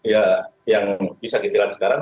ya yang bisa dikira sekarang